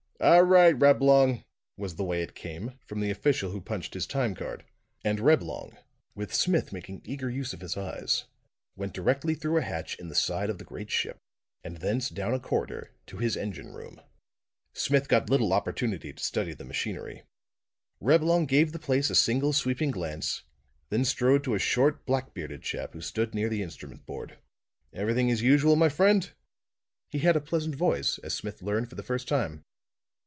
"All right, Reblong," was the way it came, from the official who punched his time card. And Reblong, with Smith making eager use of his eyes, went directly through a hatch in the side of the great ship, and thence down a corridor to his engine room. Smith got little opportunity to study the machinery. Reblong gave the place a single sweeping glance, then strode to a short, black bearded chap who stood near the instrument board. "Everything as usual, my friend?" He had a pleasant voice, as Smith learned for the first time.